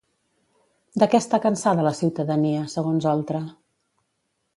De què està cansada la ciutadania, segons Oltra?